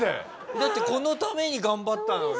だってこのために頑張ったのに。